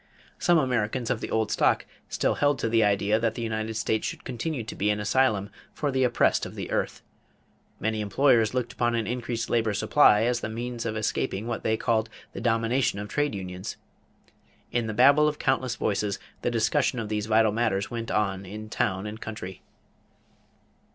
Some Americans of the old stock still held to the idea that the United States should continue to be an asylum for "the oppressed of the earth." Many employers looked upon an increased labor supply as the means of escaping what they called "the domination of trade unions." In the babel of countless voices, the discussion of these vital matters went on in town and country.